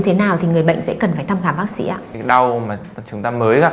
thế nào thì người bệnh sẽ cần phải thăm khám bác sĩ ạ đau mà chúng ta mới gặp